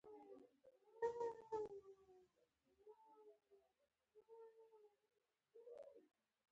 له شپنو او حیواناتو د رمې لیدلوري پرته بلې پایلې ته نه رسېږو.